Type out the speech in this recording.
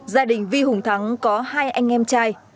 gia đình vi hùng thắng có hai anh em trai